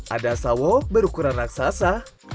ada sawo berukuran raksasa